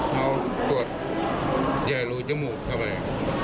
เขาตรวจใหญ่รูดยมูกเข้าไป